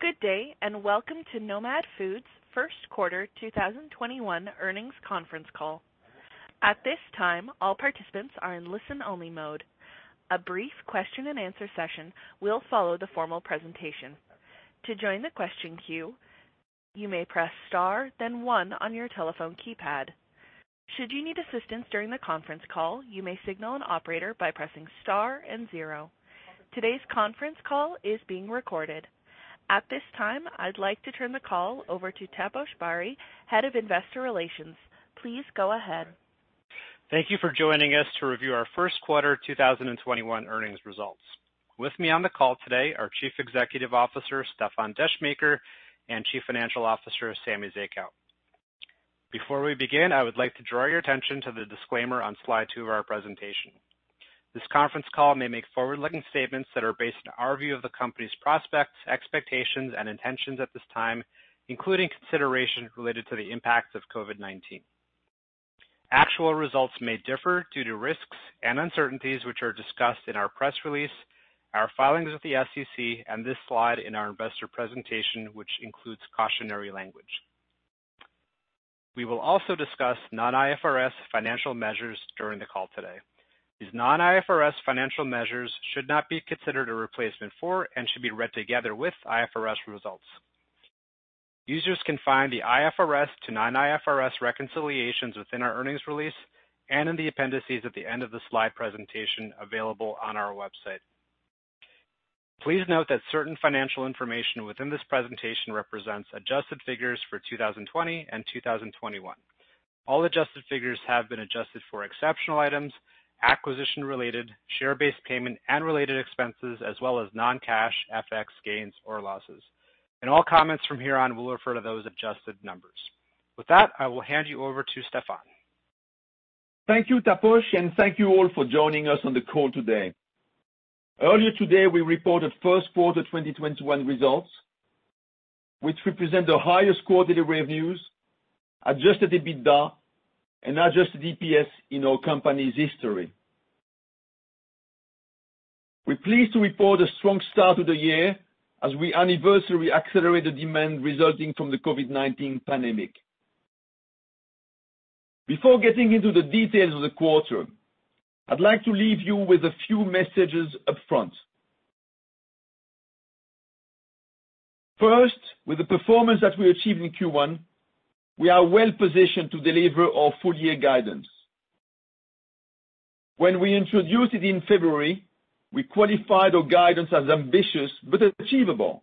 Good day, and welcome to Nomad Foods' First Quarter 2021 Earnings Conference Call. At this time, I'd like to turn the call over to Taposh Bari, Head of Investor Relations. Please go ahead. Thank you for joining us to review our first quarter 2021 earnings results. With me on the call today are Chief Executive Officer, Stéfan Descheemaeker, and Chief Financial Officer, Samy Zekhout. Before we begin, I would like to draw your attention to the disclaimer on slide two of our presentation. This conference call may make forward-looking statements that are based on our view of the company's prospects, expectations, and intentions at this time, including consideration related to the impacts of COVID-19. Actual results may differ due to risks and uncertainties, which are discussed in our press release, our filings with the SEC, and this slide in our investor presentation, which includes cautionary language. We will also discuss non-IFRS financial measures during the call today. These non-IFRS financial measures should not be considered a replacement for and should be read together with IFRS results. Users can find the IFRS to non-IFRS reconciliations within our earnings release and in the appendices at the end of the slide presentation available on our website. Please note that certain financial information within this presentation represents adjusted figures for 2020 and 2021. All adjusted figures have been adjusted for exceptional items, acquisition-related, share-based payment and related expenses, as well as non-cash FX gains or losses. All comments from here on will refer to those adjusted numbers. With that, I will hand you over to Stéfan. Thank you, Taposh, and thank you all for joining us on the call today. Earlier today, we reported first quarter 2021 results, which represent the highest quarterly revenues, adjusted EBITDA, and adjusted EPS in our company's history. We're pleased to report a strong start to the year as we anniversary accelerated demand resulting from the COVID-19 pandemic. Before getting into the details of the quarter, I'd like to leave you with a few messages up front. First, with the performance that we achieved in Q1, we are well-positioned to deliver our full-year guidance. When we introduced it in February, we qualified our guidance as ambitious but achievable.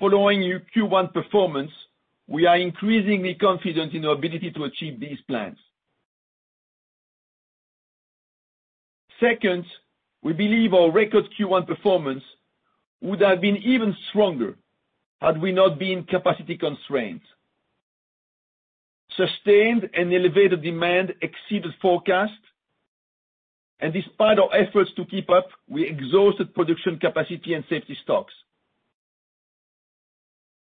Following Q1 performance, we are increasingly confident in our ability to achieve these plans. Second, we believe our record Q1 performance would have been even stronger had we not been capacity-constrained. Sustained and elevated demand exceeded forecasts, and despite our efforts to keep up, we exhausted production capacity and safety stocks.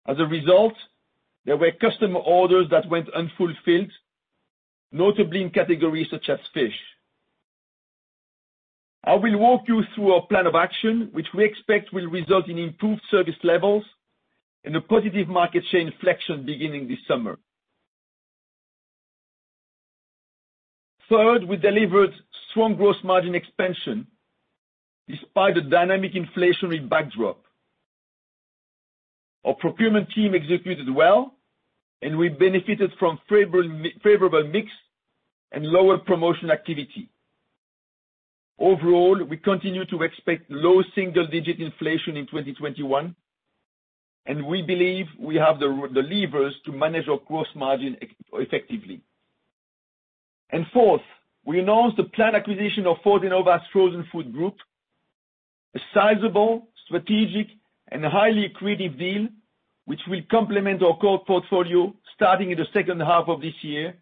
As a result, there were customer orders that went unfulfilled, notably in categories such as fish. I will walk you through our plan of action, which we expect will result in improved service levels and a positive market share inflection beginning this summer. Third, we delivered strong gross margin expansion despite a dynamic inflationary backdrop. Our procurement team executed well, and we benefited from favorable mix and lower promotion activity. Overall, we continue to expect low single-digit inflation in 2021, and we believe we have the levers to manage our gross margin effectively. Fourth, we announced the planned acquisition of Fortenova Frozen Food Group, a sizable, strategic, and highly accretive deal, which will complement our core portfolio starting in the second half of this year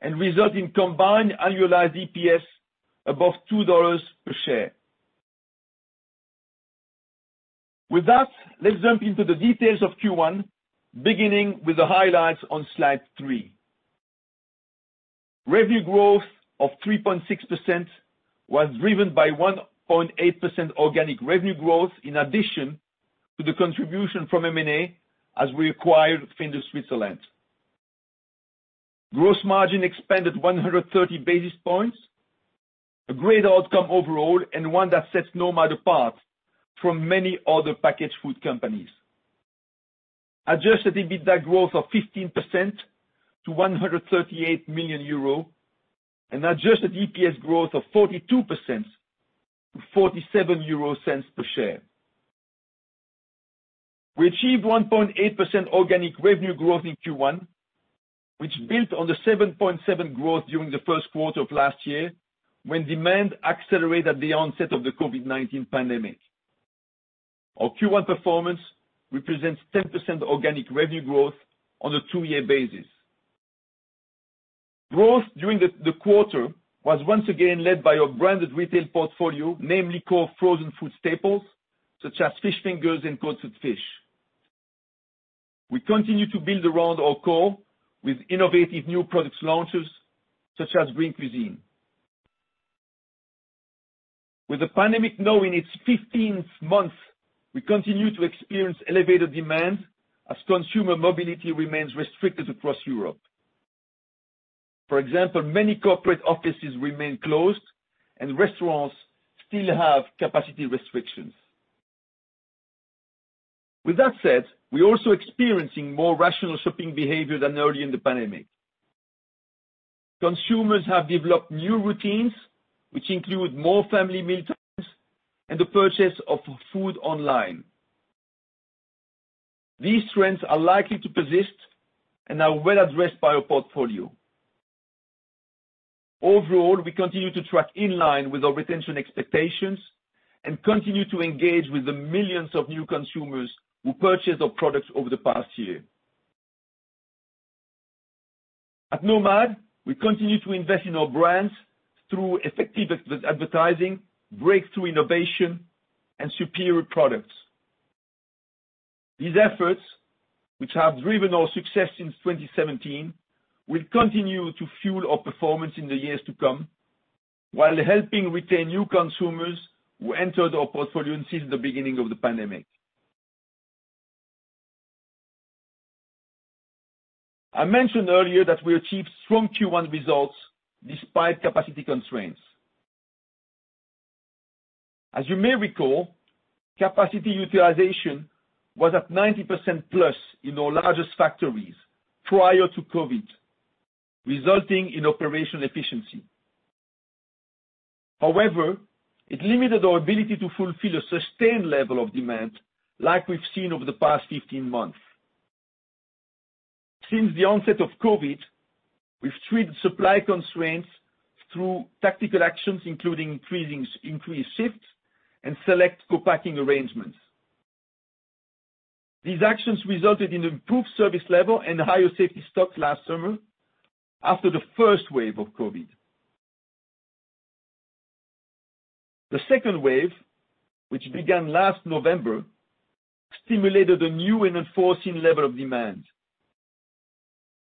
and result in combined annualized EPS above EUR 2 per share. With that, let's jump into the details of Q1, beginning with the highlights on slide three. Revenue growth of 3.6% was driven by 1.8% organic revenue growth in addition to the contribution from M&A as we acquired Findus Switzerland. Gross margin expanded 130 basis points, a great outcome overall, and one that sets Nomad apart from many other packaged food companies. Adjusted EBITDA growth of 15% to 138 million euro, and adjusted EPS growth of 42% to 0.47 per share. We achieved 1.8% organic revenue growth in Q1, which built on the 7.7% growth during the first quarter of last year when demand accelerated at the onset of the COVID-19 pandemic. Our Q1 performance represents 10% organic revenue growth on a two-year basis. Growth during the quarter was once again led by our branded retail portfolio, namely core frozen food staples such as fish fingers and coated fish. We continue to build around our core with innovative new product launches, such as Green Cuisine. With the pandemic now in its 15th month, we continue to experience elevated demand as consumer mobility remains restricted across Europe. For example, many corporate offices remain closed, and restaurants still have capacity restrictions. With that said, we are also experiencing more rational shopping behavior than early in the pandemic. Consumers have developed new routines, which include more family mealtimes and the purchase of food online. These trends are likely to persist and are well addressed by our portfolio. Overall, we continue to track in line with our retention expectations and continue to engage with the millions of new consumers who purchased our products over the past year. At Nomad, we continue to invest in our brands through effective advertising, breakthrough innovation, and superior products. These efforts, which have driven our success since 2017, will continue to fuel our performance in the years to come while helping retain new consumers who entered our portfolio since the beginning of the pandemic. I mentioned earlier that we achieved strong Q1 results despite capacity constraints. As you may recall, capacity utilization was at 90%+ in our largest factories prior to COVID, resulting in operational efficiency. However, it limited our ability to fulfill a sustained level of demand like we've seen over the past 15 months. Since the onset of COVID, we've treated supply constraints through tactical actions, including increased shifts and select co-packing arrangements. These actions resulted in improved service level and higher safety stocks last summer after the first wave of COVID. The second wave, which began last November, stimulated a new and unforeseen level of demand.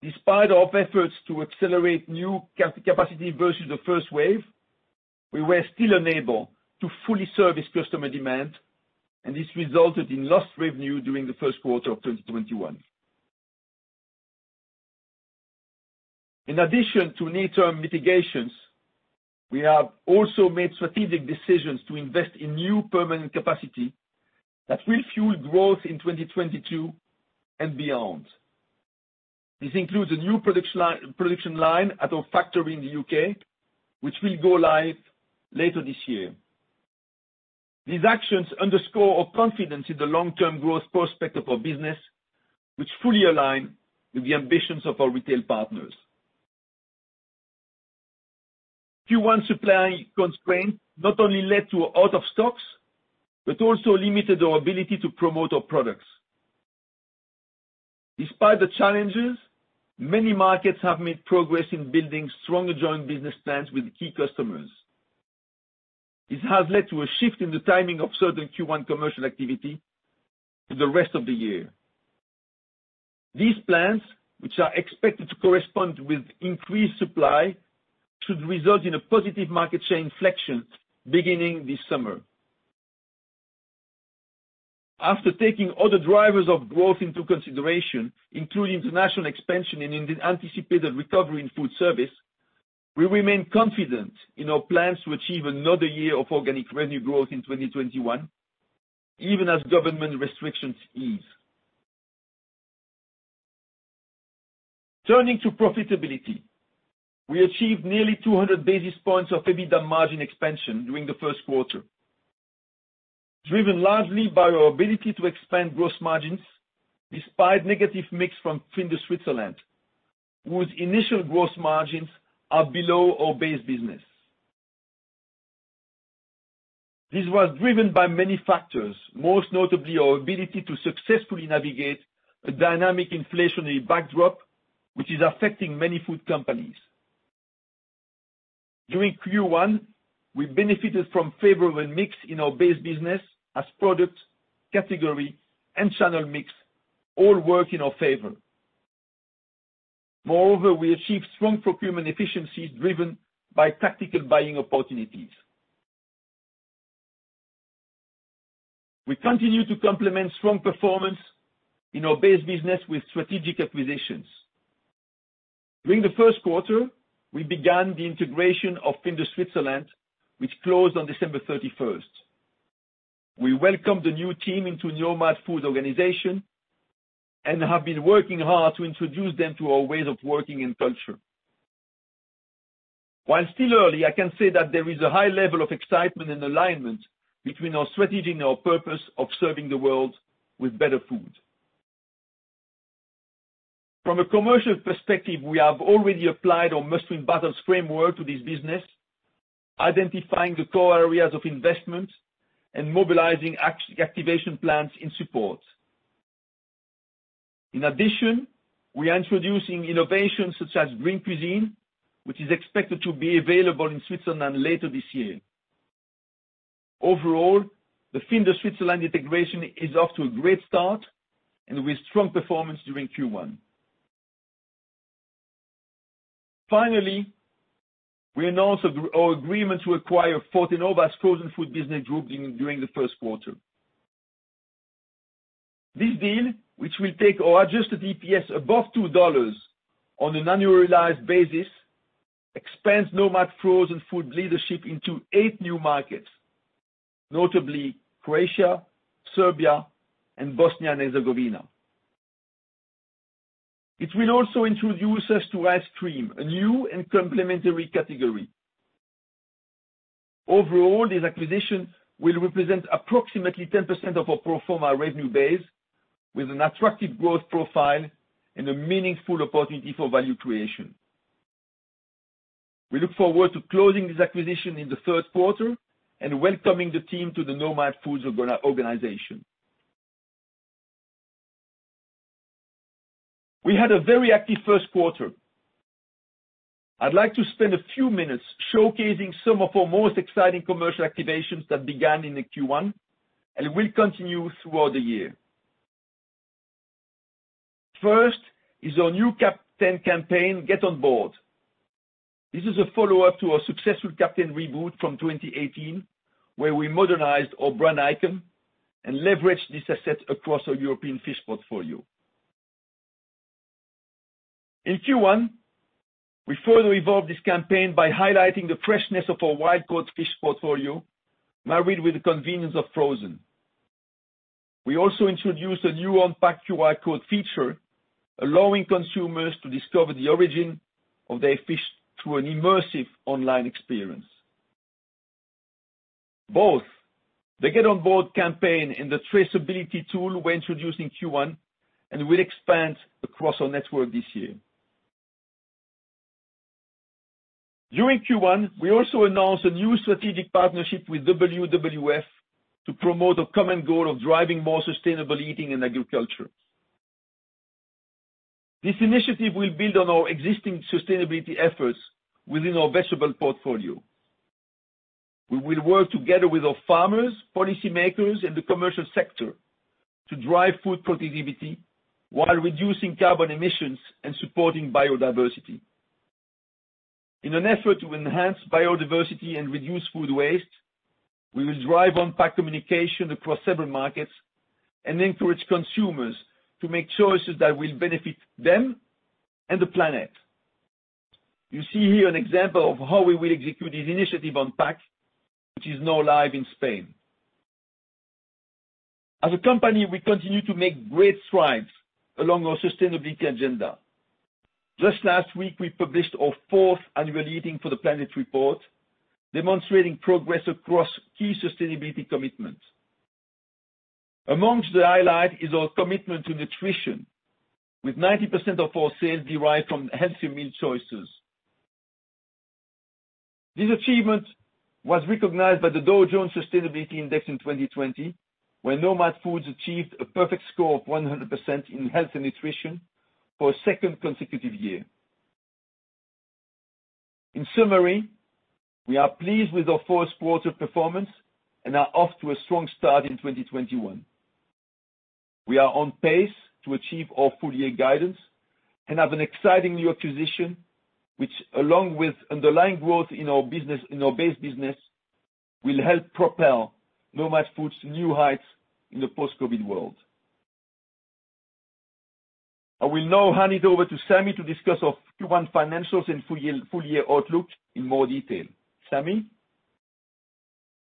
Despite our efforts to accelerate new capacity versus the first wave, we were still unable to fully service customer demand, and this resulted in lost revenue during the first quarter of 2021. In addition to near-term mitigations, we have also made strategic decisions to invest in new permanent capacity that will fuel growth in 2022 and beyond. This includes a new production line at our factory in the U.K., which will go live later this year. These actions underscore our confidence in the long-term growth prospects of our business, which fully align with the ambitions of our retail partners. Q1 supply constraints not only led to out of stocks but also limited our ability to promote our products. Despite the challenges, many markets have made progress in building strong joint business plans with key customers. This has led to a shift in the timing of certain Q1 commercial activity to the rest of the year. These plans, which are expected to correspond with increased supply, should result in a positive market share inflection beginning this summer. After taking all the drivers of growth into consideration, including international expansion and the anticipated recovery in food service, we remain confident in our plans to achieve another year of organic revenue growth in 2021, even as government restrictions ease. Turning to profitability. We achieved nearly 200 basis points of EBITDA margin expansion during the first quarter, driven largely by our ability to expand gross margins despite negative mix from Findus Switzerland, whose initial gross margins are below our base business. This was driven by many factors, most notably our ability to successfully navigate a dynamic inflationary backdrop, which is affecting many food companies. During Q1, we benefited from favorable mix in our base business as product, category, and channel mix all worked in our favor. Moreover, we achieved strong procurement efficiencies driven by tactical buying opportunities. We continue to complement strong performance in our base business with strategic acquisitions. During the first quarter, we began the integration of Findus Switzerland, which closed on December 31st. We welcomed the new team into Nomad Foods organization and have been working hard to introduce them to our ways of working and culture. While still early, I can say that there is a high level of excitement and alignment between our strategy and our purpose of serving the world with better food. From a commercial perspective, we have already applied our must-win battles framework to this business, identifying the core areas of investment and mobilizing activation plans in support. In addition, we are introducing innovations such as Green Cuisine, which is expected to be available in Switzerland later this year. Overall, the Findus Switzerland integration is off to a great start and with strong performance during Q1. Finally, we announced our agreement to acquire Fortenova's Frozen Food Business Group during the first quarter. This deal, which will take our adjusted EPS above EUR 2 on an annualized basis, expands Nomad Foods and Food leadership into eight new markets, notably Croatia, Serbia, and Bosnia and Herzegovina. It will also introduce us to ice cream, a new and complementary category. Overall, this acquisition will represent approximately 10% of our pro forma revenue base with an attractive growth profile and a meaningful opportunity for value creation. We look forward to closing this acquisition in the third quarter and welcoming the team to the Nomad Foods organization. We had a very active first quarter. I'd like to spend a few minutes showcasing some of our most exciting commercial activations that began in the Q1 and will continue throughout the year. First is our new Captain campaign, Get on Board. This is a follow-up to our successful Captain reboot from 2018, where we modernized our brand icon and leveraged this asset across our European fish portfolio. In Q1, we further evolved this campaign by highlighting the freshness of our white coated fish portfolio, married with the convenience of frozen. We also introduced a new on-pack QR code feature, allowing consumers to discover the origin of their fish through an immersive online experience. Both the Get on Board campaign and the traceability tool were introduced in Q1 and will expand across our network this year. During Q1, we also announced a new strategic partnership with WWF to promote a common goal of driving more sustainable eating and agriculture. This initiative will build on our existing sustainability efforts within our vegetable portfolio. We will work together with our farmers, policymakers, and the commercial sector to drive food productivity while reducing carbon emissions and supporting biodiversity. In an effort to enhance biodiversity and reduce food waste, we will drive on-pack communication across several markets and encourage consumers to make choices that will benefit them and the planet. You see here an example of how we will execute this initiative on-pack, which is now live in Spain. As a company, we continue to make great strides along our sustainability agenda. Just last week, we published our fourth annual Eating for the Planet report, demonstrating progress across key sustainability commitments. Amongst the highlight is our commitment to nutrition, with 90% of our sales derived from healthy meal choices. This achievement was recognized by the Dow Jones Sustainability Index in 2020, where Nomad Foods achieved a perfect score of 100% in health and nutrition for a second consecutive year. In summary, we are pleased with our first quarter performance and are off to a strong start in 2021. We are on pace to achieve our full-year guidance and have an exciting new acquisition, which, along with underlying growth in our base business, will help propel Nomad Foods to new heights in the post-COVID world. I will now hand it over to Samy to discuss our Q1 financials and full-year outlook in more detail. Samy?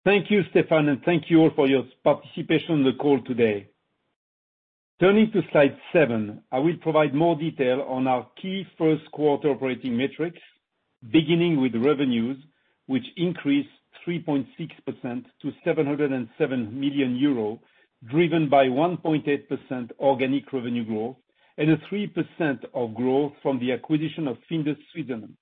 Thank you, Stéfan, and thank you all for your participation on the call today. Turning to slide seven, I will provide more detail on our key first quarter operating metrics, beginning with revenues, which increased 3.6% to 707 million euro, driven by 1.8% organic revenue growth and a 3% of growth from the acquisition of Findus Switzerland.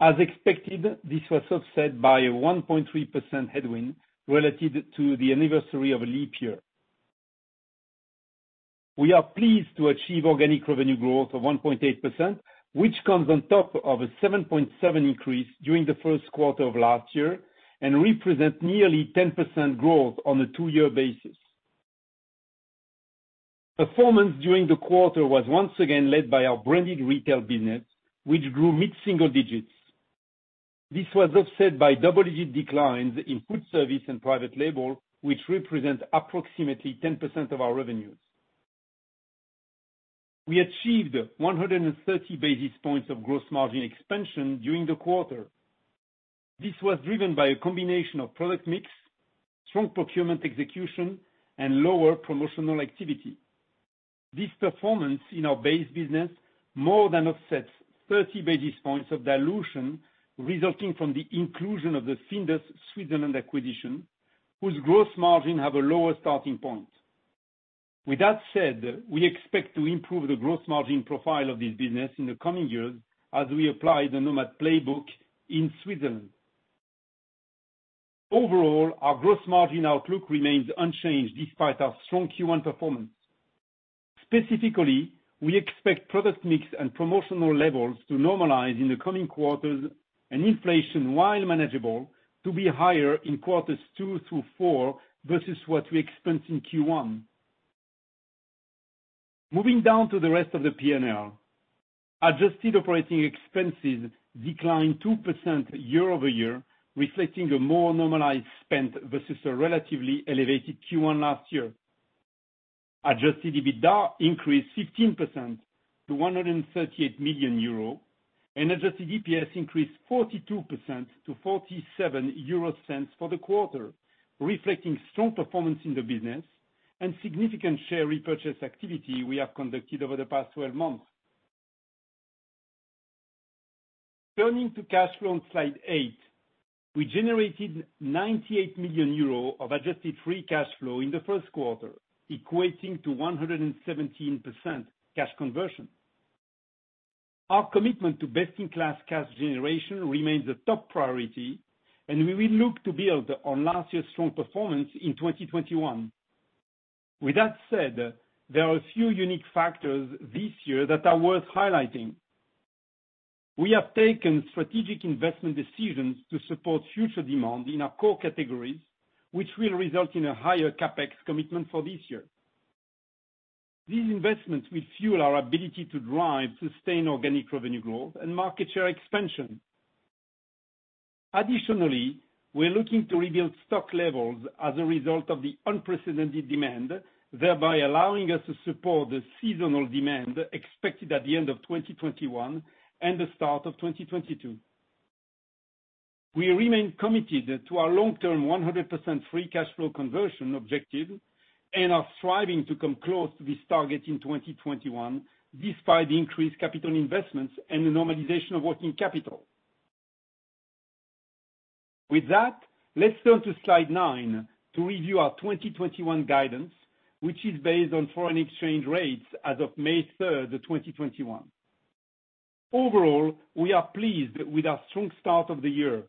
As expected, this was offset by a 1.3% headwind relative to the anniversary of a leap year. We are pleased to achieve organic revenue growth of 1.8%, which comes on top of a 7.7% increase during the first quarter of last year and represents nearly 10% growth on a two-year basis. Performance during the quarter was once again led by our branded retail business, which grew mid-single digits. This was offset by double-digit declines in food service and private label, which represent approximately 10% of our revenues. We achieved 130 basis points of gross margin expansion during the quarter. This was driven by a combination of product mix, strong procurement execution, and lower promotional activity. This performance in our base business more than offsets 30 basis points of dilution resulting from the inclusion of the Findus Switzerland acquisition, whose gross margin have a lower starting point. With that said, we expect to improve the gross margin profile of this business in the coming years as we apply the Nomad playbook in Switzerland. Overall, our gross margin outlook remains unchanged despite our strong Q1 performance. Specifically, we expect product mix and promotional levels to normalize in the coming quarters, and inflation, while manageable, to be higher in quarters two through four versus what we experienced in Q1. Moving down to the rest of the P&L. Adjusted operating expenses declined 2% year-over-year, reflecting a more normalized spend versus a relatively elevated Q1 last year. Adjusted EBITDA increased 15% to 138 million euro. Adjusted EPS increased 42% to 0.47 for the quarter, reflecting strong performance in the business and significant share repurchase activity we have conducted over the past 12 months. Turning to cash flow on slide eight. We generated 98 million euro of adjusted free cash flow in the first quarter, equating to 117% cash conversion. Our commitment to best-in-class cash generation remains a top priority, and we will look to build on last year's strong performance in 2021. With that said, there are a few unique factors this year that are worth highlighting. We have taken strategic investment decisions to support future demand in our core categories, which will result in a higher CapEx commitment for this year. These investments will fuel our ability to drive sustained organic revenue growth and market share expansion. Additionally, we're looking to rebuild stock levels as a result of the unprecedented demand, thereby allowing us to support the seasonal demand expected at the end of 2021 and the start of 2022. We remain committed to our long-term 100% free cash flow conversion objective and are striving to come close to this target in 2021, despite increased capital investments and the normalization of working capital. With that, let's turn to slide nine to review our 2021 guidance, which is based on foreign exchange rates as of May 3rd, 2021. Overall, we are pleased with our strong start of the year,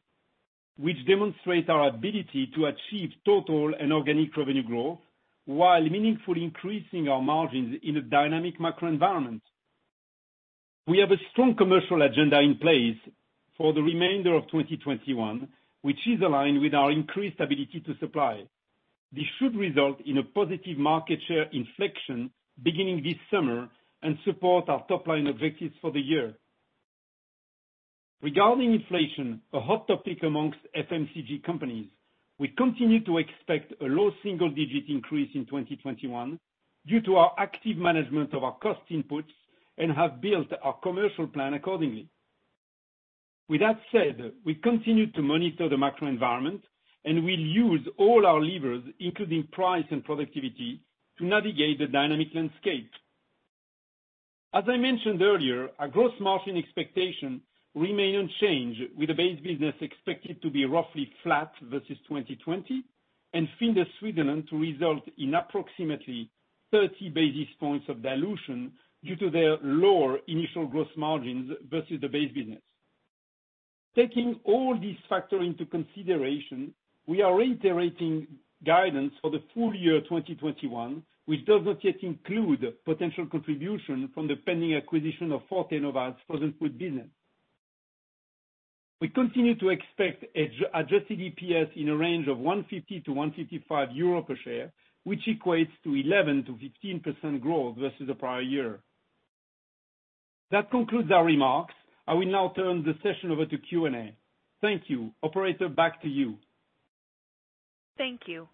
which demonstrates our ability to achieve total and organic revenue growth while meaningfully increasing our margins in a dynamic macro environment. We have a strong commercial agenda in place for the remainder of 2021, which is aligned with our increased ability to supply. This should result in a positive market share inflection beginning this summer and support our top-line objectives for the year. Regarding inflation, a hot topic amongst FMCG companies, we continue to expect a low single-digit increase in 2021 due to our active management of our cost inputs and have built our commercial plan accordingly. With that said, we continue to monitor the macro environment and will use all our levers, including price and productivity, to navigate the dynamic landscape. As I mentioned earlier, our gross margin expectation remain unchanged, with the base business expected to be roughly flat versus 2020 and Findus Switzerland to result in approximately 30 basis points of dilution due to their lower initial gross margins versus the base business. Taking all these factors into consideration, we are reiterating guidance for the full year 2021, which does not yet include potential contribution from the pending acquisition of Fortenova frozen food business. We continue to expect adjusted EPS in a range of 1.50-1.55 euro per share, which equates to 11%-15% growth versus the prior year. That concludes our remarks. I will now turn the session over to Q&A. Thank you. Operator, back to you. Thank you.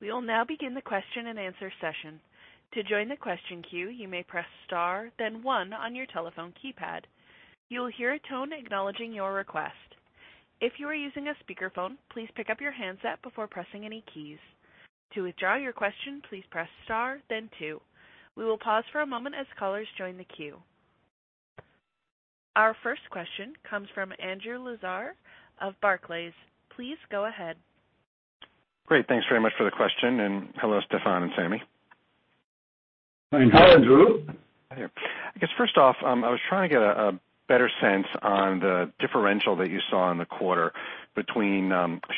We will now begin the question and answer session. To join the question queue, you may press star then one on your telephone keypad. You will hear a tone acknowledging your request. If you are using a speakerphone, please pick up your handset before pressing any keys. To withdraw your questions, please press star then two. We will pause for a moment as caller join the queue. Our first question comes from Andrew Lazar of Barclays. Please go ahead. Great. Thanks very much for the question, and hello, Stéfan and Samy. Hi, Andrew. I guess first off, I was trying to get a better sense on the differential that you saw in the quarter between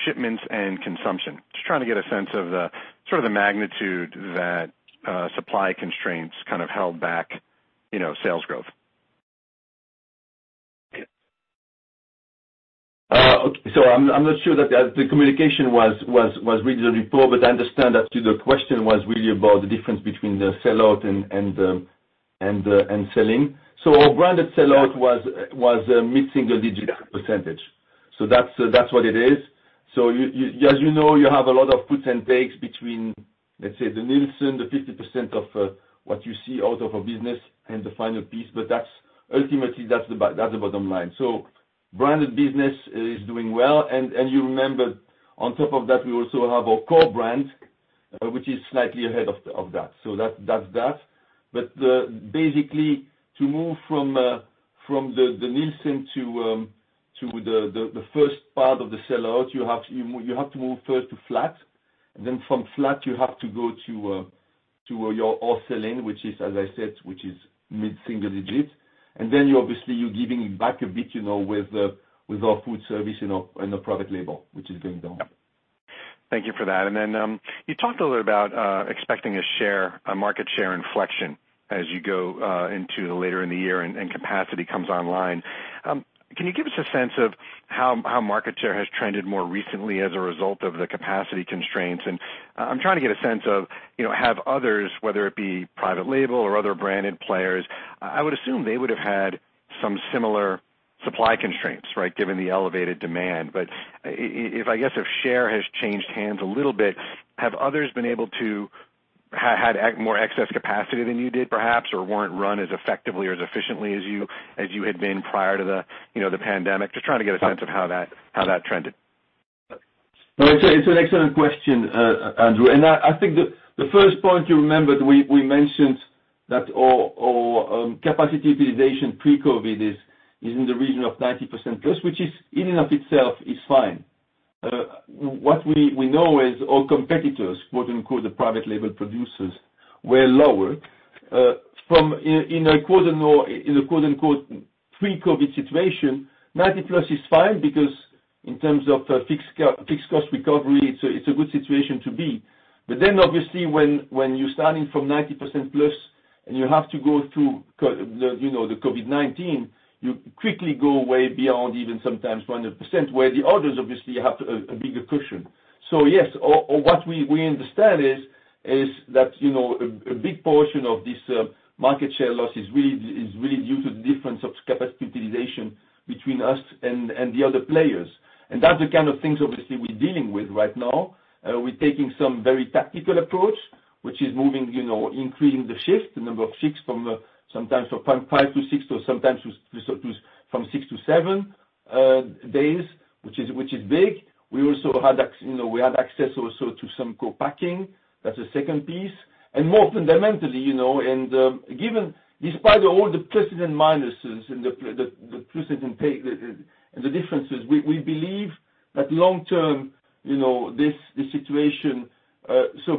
shipments and consumption. Just trying to get a sense of the sort of the magnitude that supply constraints kind of held back sales growth. I'm not sure that the communication was really reported, but I understand that the question was really about the difference between the sell-out and sell-in. Our branded sell-out was a mid-single digit percentage. That's what it is. As you know, you have a lot of puts and takes between, let's say, the Nielsen, the 50% of what you see out of a business and the final piece, but ultimately that's the bottom line. Branded business is doing well, and you remember, on top of that, we also have our core brand, which is slightly ahead of that. That's that. Basically, to move from the Nielsen to the first part of the sell-out, you have to move first to flat, and then from flat you have to go to your off sell-in, which is, as I said, mid-single digits. Obviously, you're giving back a bit with our food service and the private label, which is going down. Thank you for that. You talked a little bit about expecting a market share inflection as you go into later in the year and capacity comes online. Can you give us a sense of how market share has trended more recently as a result of the capacity constraints? I'm trying to get a sense of, have others, whether it be private label or other branded players, I would assume they would have had some similar supply constraints, right? Given the elevated demand. I guess if share has changed hands a little bit, have others been able to have had more excess capacity than you did perhaps, or weren't run as effectively or as efficiently as you had been prior to the pandemic? Just trying to get a sense of how that trended. No, it's an excellent question, Andrew. I think the first point you remembered, we mentioned that our capacity utilization pre-COVID is in the region of 90%+, which is in and of itself is fine. What we know is all competitors, quote unquote, the private label producers, were lower. In a quote unquote, pre-COVID situation, 90+ is fine because in terms of fixed cost recovery, it's a good situation to be. Obviously when you're starting from 90%+ and you have to go through the COVID-19, you quickly go way beyond even sometimes 100%, where the others obviously have a bigger cushion. Yes, what we understand is that a big portion of this market share loss is really due to the difference of capacity utilization between us and the other players. That's the kind of things obviously we're dealing with right now. We're taking some very tactical approach, which is increasing the shift, the number of shifts from sometimes from five to six or sometimes from six to seven days, which is big. We had access also to some co-packing, that's the second piece. More fundamentally, despite all the pluses and minuses and the pluses and the differences, we believe that long term,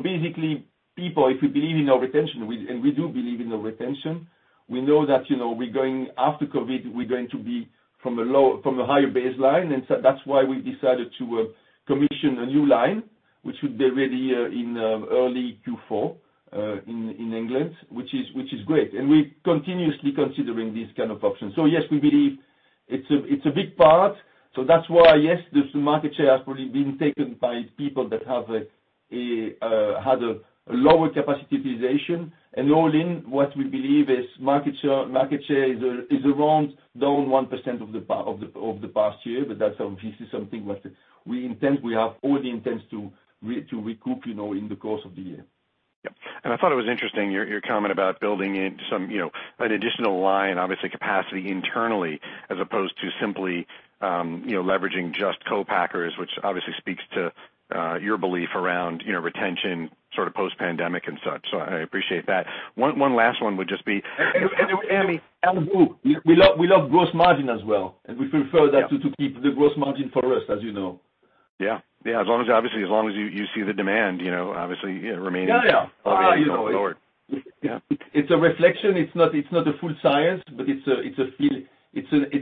basically, people, if we believe in our retention, and we do believe in our retention, we know that after COVID, we're going to be from a higher baseline. That's why we decided to commission a new line, which would be ready in early Q4 in England, which is great. We're continuously considering this kind of option. Yes, we believe it's a big part. That's why, yes, the market share has probably been taken by people that had a lower capacity utilization. All in, what we believe is market share is around down 1% of the past year. That's obviously something that we have all the intents to recoup in the course of the year. Yeah. I thought it was interesting your comment about building in an additional line, obviously capacity internally as opposed to simply leveraging just co-packers, which obviously speaks to your belief around retention, sort of post pandemic and such. I appreciate that. Andrew, we love gross margin as well, and we prefer that to keep the gross margin for us, as you know. Yeah. As long as obviously you see the demand, obviously remaining. Yeah. obviously going forward. Yeah. It's a reflection. It's not a full science, but it's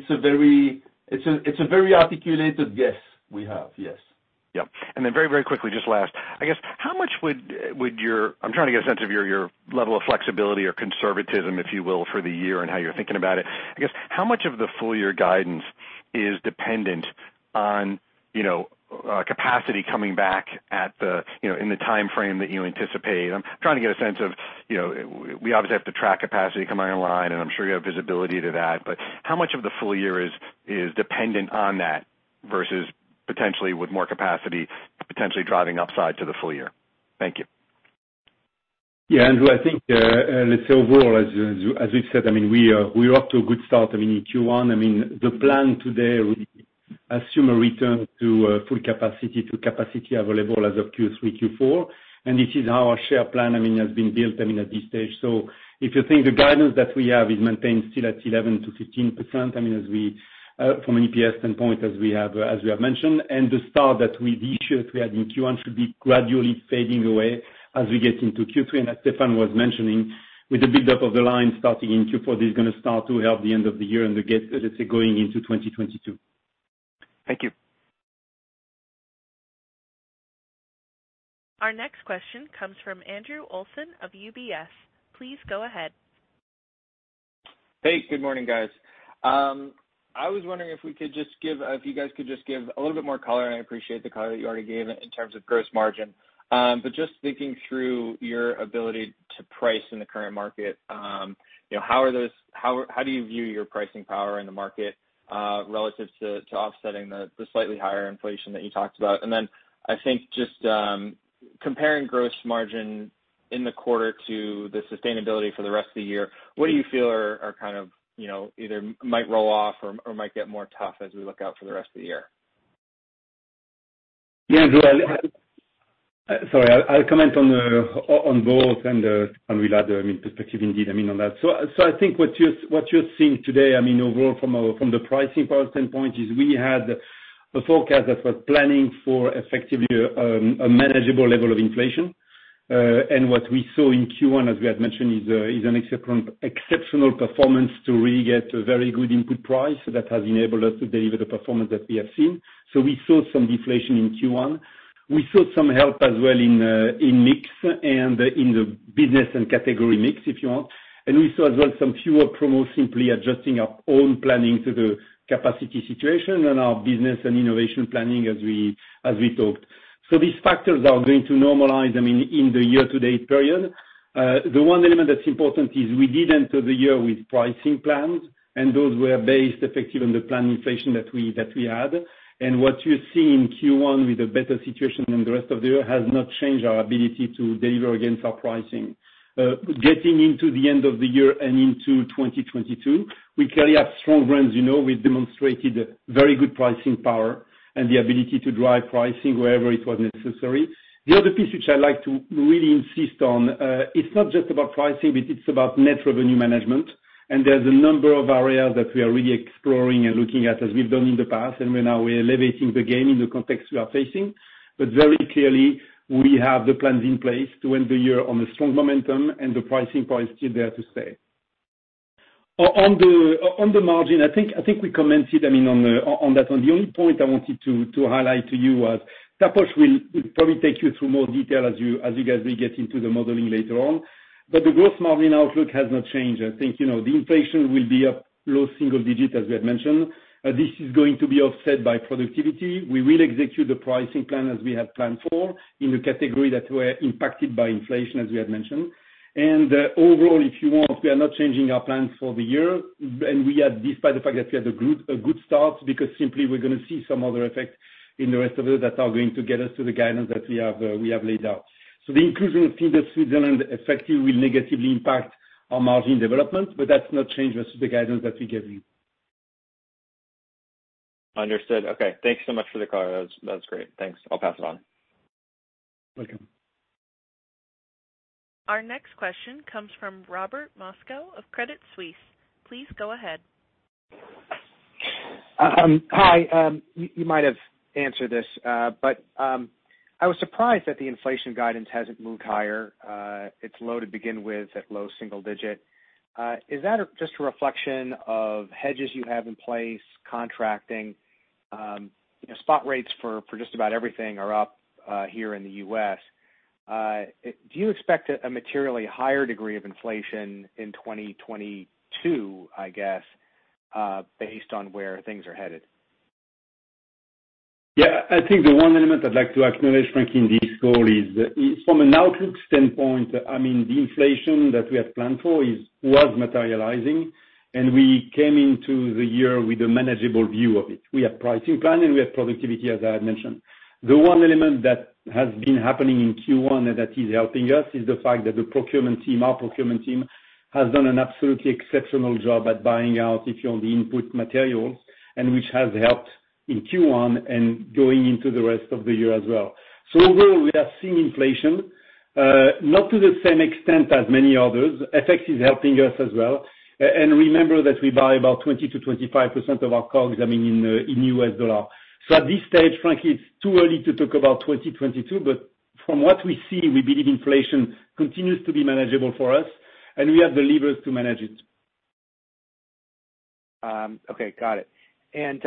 a very articulated guess we have. Yes. Yep. Very, very quickly, just last, I guess, I'm trying to get a sense of your level of flexibility or conservatism, if you will, for the year and how you're thinking about it. I guess, how much of the full year guidance is dependent on capacity coming back in the timeframe that you anticipate? I'm trying to get a sense of, we obviously have to track capacity coming online, and I'm sure you have visibility to that, but how much of the full year is dependent on that versus potentially with more capacity potentially driving upside to the full year? Thank you. Andrew, overall, as we've said, we are off to a good start in Q1. The plan today would assume a return to full capacity to capacity available as of Q3, Q4. This is our share plan has been built at this stage. If you think the guidance that we have is maintained still at 11%-15%, from an EPS standpoint as we have mentioned, the start that we issued, we had in Q1 should be gradually fading away as we get into Q3. As Stéfan was mentioning, with the build-up of the line starting in Q4, this is going to start to help the end of the year and get going into 2022. Thank you. Our next question comes from Andrew Olsen of UBS. Please go ahead. Hey, good morning guys. I was wondering if you guys could just give a little bit more color, and I appreciate the color that you already gave in terms of gross margin. Just thinking through your ability to price in the current market, how do you view your pricing power in the market, relative to offsetting the slightly higher inflation that you talked about? Then I think just comparing gross margin in the quarter to the sustainability for the rest of the year, what do you feel are kind of either might roll off or might get more tough as we look out for the rest of the year? Yeah, Andrew. Sorry, I'll comment on both and we'll add perspective indeed on that. I think what you're seeing today overall from the pricing power standpoint is we had a forecast that was planning for effectively a manageable level of inflation. What we saw in Q1, as we had mentioned, is an exceptional performance to really get a very good input price that has enabled us to deliver the performance that we have seen. We saw some deflation in Q1. We saw some help as well in mix and in the business and category mix, if you want. We saw as well some fewer promos, simply adjusting our own planning to the capacity situation and our business and innovation planning as we talked. These factors are going to normalize, I mean, in the year-to-date period. The one element that's important is we did enter the year with pricing plans, and those were based effective on the plan inflation that we had. What you see in Q1 with a better situation than the rest of the year has not changed our ability to deliver against our pricing. Getting into the end of the year and into 2022, we clearly have strong brands. We've demonstrated very good pricing power and the ability to drive pricing wherever it was necessary. The other piece, which I'd like to really insist on, it's not just about pricing, but it's about net revenue management, and there's a number of areas that we are really exploring and looking at as we've done in the past, and where now we're elevating the game in the context we are facing. Very clearly, we have the plans in place to end the year on a strong momentum, and the pricing power is still there to stay. On the margin, I think we commented, I mean, on that. The only point I wanted to highlight to you was Taposh will probably take you through more detail as you guys will get into the modeling later on. The gross margin outlook has not changed. I think the inflation will be up low single digits, as we had mentioned. This is going to be offset by productivity. We will execute the pricing plan as we have planned for in the category that were impacted by inflation, as we had mentioned. Overall, if you want, we are not changing our plans for the year. Despite the fact that we had a good start, because simply we're going to see some other effects in the rest of it that are going to get us to the guidance that we have laid out. The inclusion of Findus Switzerland effectively will negatively impact our margin development, but that's not changed versus the guidance that we gave you. Understood. Okay. Thanks so much for the call. That's great. Thanks. I'll pass it on. Welcome. Our next question comes from Robert Moskow of Credit Suisse. Please go ahead. Hi. You might have answered this. I was surprised that the inflation guidance hasn't moved higher. It's low to begin with, at low single digit. Is that just a reflection of hedges you have in place, contracting? Spot rates for just about everything are up here in the U.S. Do you expect a materially higher degree of inflation in 2022, I guess, based on where things are headed? Yeah. I think the one element I'd like to acknowledge, frankly, in this call is from an outlook standpoint, I mean, the inflation that we had planned for was materializing. We came into the year with a manageable view of it. We have pricing plan. We have productivity, as I had mentioned. The one element that has been happening in Q1 that is helping us is the fact that the procurement team, our procurement team, has done an absolutely exceptional job at buying out, if you own the input materials. Which has helped in Q1 and going into the rest of the year as well. Overall, we are seeing inflation, not to the same extent as many others. FX is helping us as well. Remember that we buy about 20%-25% of our COGS, I mean, in US dollar. At this stage, frankly, it's too early to talk about 2022, but from what we see, we believe inflation continues to be manageable for us, and we have the levers to manage it. Okay. Got it. In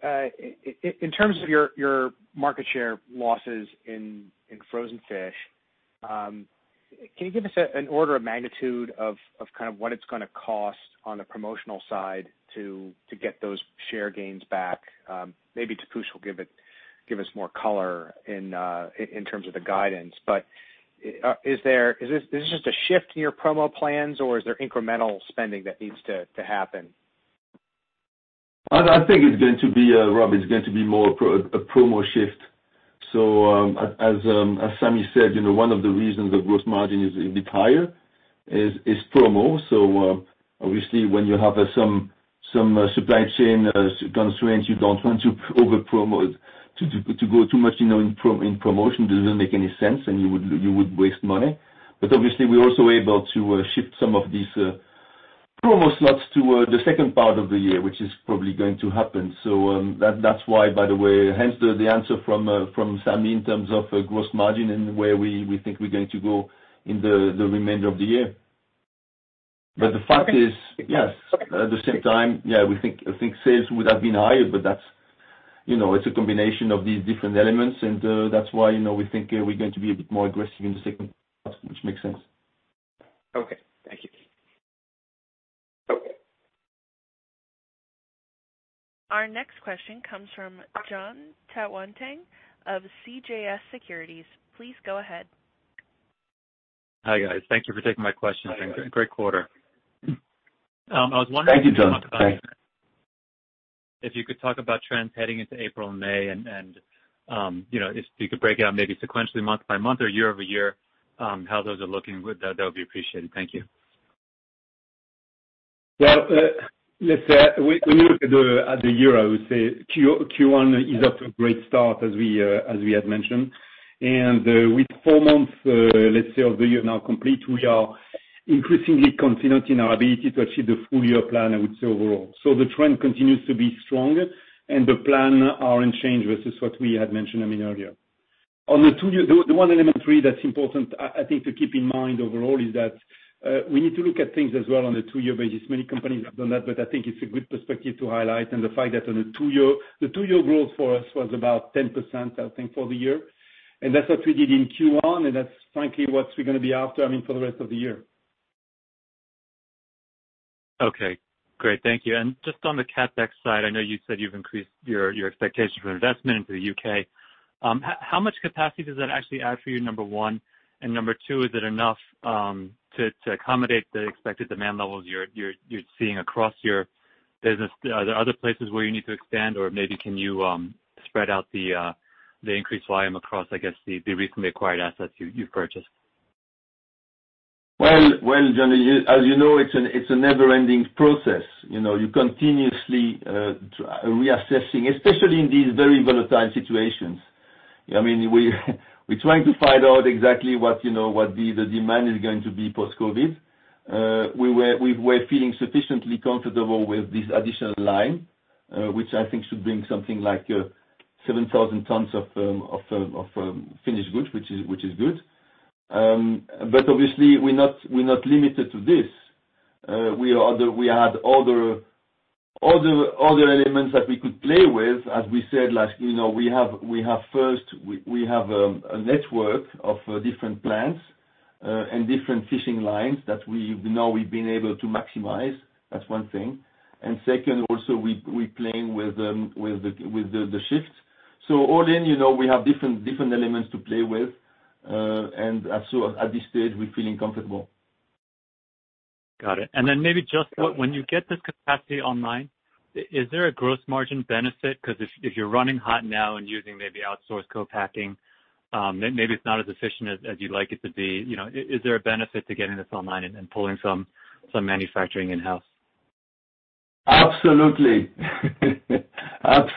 terms of your market share losses in frozen fish, can you give us an order of magnitude of what it's going to cost on the promotional side to get those share gains back? Maybe Taposh will give us more color in terms of the guidance. Is this just a shift in your promo plans, or is there incremental spending that needs to happen? I think it's going to be, Rob, it's going to be more a promo shift. As Samy said, one of the reasons the gross margin is a bit higher is promo. Obviously when you have some supply chain constraints, you don't want to over promote. To go too much in promotion doesn't make any sense, and you would waste money. Obviously, we're also able to shift some of these promo slots to the second part of the year, which is probably going to happen. That's why, by the way, hence the answer from Samy in terms of gross margin and where we think we're going to go in the remainder of the year. The fact is, yes, at the same time, yeah, I think sales would have been higher, but it's a combination of these different elements, and that's why we think we're going to be a bit more aggressive in the second part, which makes sense. Okay. Thank you. Okay. Our next question comes from Jon Tanwanteng of CJS Securities. Please go ahead. Hi, guys. Thank you for taking my questions. Hi, Jon. Great quarter. Thank you, Jon. If you could talk about trends heading into April and May and, if you could break it out maybe sequentially month-by-month or year-over-year, how those are looking, that would be appreciated. Thank you. Well, let's say when you look at the year, I would say Q1 is off to a great start as we had mentioned. With four months, let's say, of the year now complete, we are increasingly confident in our ability to achieve the full year plan, I would say overall. The trend continues to be strong and the plan aren't changed versus what we had mentioned, I mean, earlier. The one element, really, that's important, I think to keep in mind overall is that we need to look at things as well on a two-year basis. Many companies have done that, I think it's a good perspective to highlight the fact that the two-year growth for us was about 10%, I think, for the year. That's what we did in Q1, that's frankly what we're going to be after for the rest of the year. Okay, great. Thank you. Just on the CapEx side, I know you said you've increased your expectation for investment into the U.K. How much capacity does that actually add for you, number one? Number two, is it enough to accommodate the expected demand levels you're seeing across your business? Are there other places where you need to expand or maybe can you spread out the increased volume across, I guess, the recently acquired assets you've purchased? Well, Jon, as you know, it's a never-ending process. You're continuously reassessing, especially in these very volatile situations. We're trying to find out exactly what the demand is going to be post-COVID. We were feeling sufficiently comfortable with this additional line, which I think should bring something like 7,000 tons of finished goods, which is good. Obviously, we're not limited to this. We had other elements that we could play with. As we said, first, we have a network of different plants and different fishing lines that now we've been able to maximize. That's one thing. Second, also, we're playing with the shifts. All in, we have different elements to play with, at this stage, we're feeling comfortable. Got it. Maybe just when you get this capacity online, is there a gross margin benefit? Because if you're running hot now and using maybe outsourced co-packing, maybe it's not as efficient as you'd like it to be. Is there a benefit to getting this online and pulling some manufacturing in-house? Absolutely. That's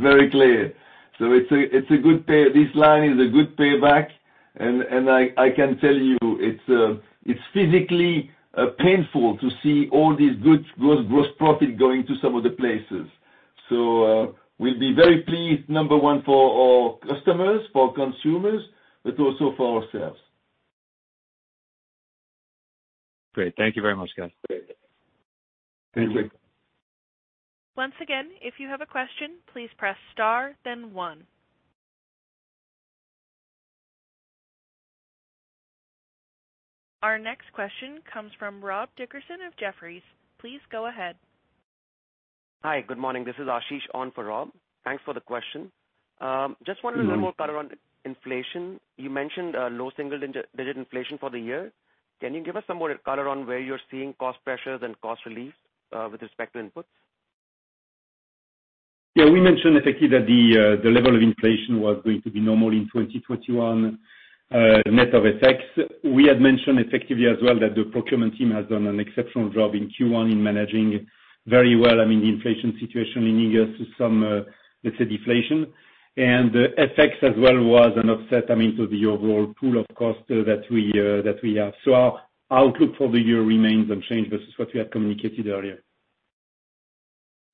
very clear. This line is a good payback, and I can tell you, it's physically painful to see all these goods, gross profit going to some other places. We'll be very pleased, number one, for our customers, for consumers, but also for ourselves. Great. Thank you very much, guys. Great. Thank you. Once again, if you have a question, please press star, then one. Our next question comes from Rob Dickerson of Jefferies. Please go ahead. Hi, good morning. This is Ashish on for Rob. Thanks for the question. Just wanted a little more color on inflation. You mentioned low single digit inflation for the year. Can you give us some more color on where you're seeing cost pressures and cost relief with respect to inputs? We mentioned effectively that the level of inflation was going to be normal in 2021. Net of effects, we had mentioned effectively as well that the procurement team has done an exceptional job in Q1 in managing very well the inflation situation in the U.S. to some, let's say, deflation. The effects as well was an offset to the overall pool of costs that we have. Our outlook for the year remains unchanged versus what we had communicated earlier.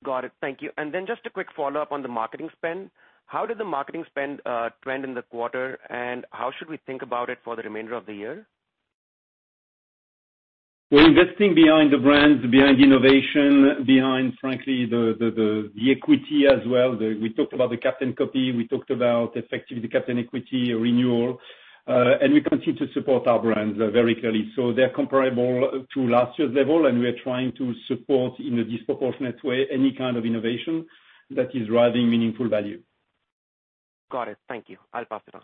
Got it. Thank you. Just a quick follow-up on the marketing spend. How did the marketing spend trend in the quarter, and how should we think about it for the remainder of the year? We're investing behind the brands, behind innovation, behind, frankly, the equity as well. We talked about the Captain, we talked about effectively the Captain equity renewal. We continue to support our brands very clearly. They're comparable to last year's level. We are trying to support in a disproportionate way, any kind of innovation that is driving meaningful value. Got it. Thank you. I'll pass it on.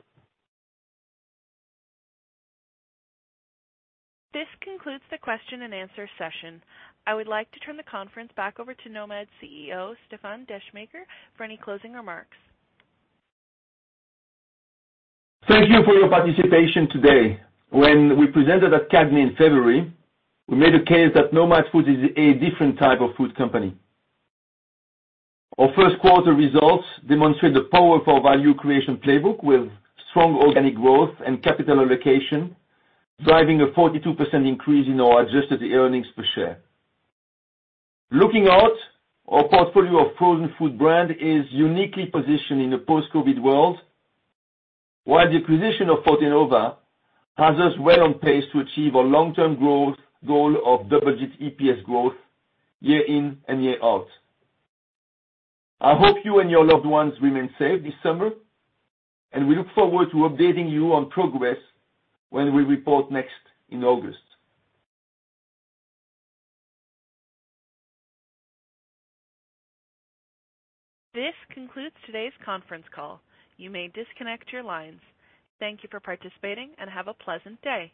This concludes the question and answer session. I would like to turn the conference back over to Nomad's CEO, Stéfan Descheemaeker, for any closing remarks. Thank you for your participation today. When we presented at CAGNY in February, we made a case that Nomad Foods is a different type of food company. Our first quarter results demonstrate the power of our value creation playbook with strong organic growth and capital allocation, driving a 42% increase in our adjusted earnings per share. Looking out, our portfolio of frozen food brand is uniquely positioned in a post-COVID-19 world, while the acquisition of Fortenova has us well on pace to achieve our long-term growth goal of double-digit EPS growth year-in and year-out. I hope you and your loved ones remain safe this summer, and we look forward to updating you on progress when we report next in August. This concludes today's conference call. You may disconnect your lines. Thank you for participating and have a pleasant day.